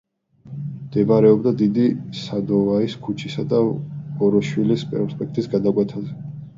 მდებარეობდა დიდი სადოვაიის ქუჩისა და ვოროშილოვის პროსპექტის გადაკვეთაზე.